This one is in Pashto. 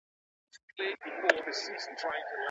د ښوونځي روغتیا پروګرام څه دی؟